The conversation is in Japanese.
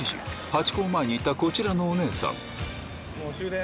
ハチ公前にいたこちらのお姉さん。